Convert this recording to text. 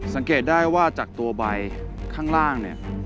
สังเกตได้ว่าจากตัวใบข้างล่างเนี่ย